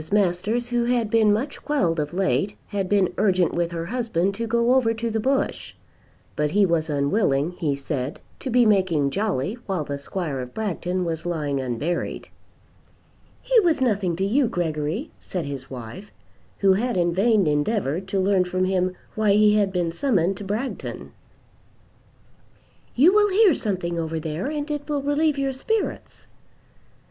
Masters, who had been much quelled of late, had been urgent with her husband to go over to the Bush; but he was unwilling, he said, to be making jolly while the Squire of Bragton was lying unburied. "He was nothing to you, Gregory," said his wife, who had in vain endeavoured to learn from him why he had been summoned to Bragton "You will hear something over there, and it will relieve your spirits."